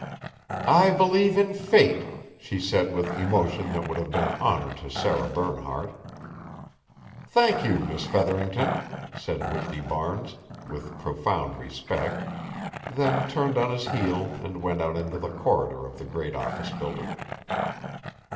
"I believe in Fate!" she said with emotion that would have done honor to Sarah Bernhardt. "Thank you, Miss Featherington," said Whitney Barnes, with profound respect, then turned on his heel and went out into the corridor of the great office building.